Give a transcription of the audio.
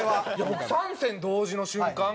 僕３線同時の瞬間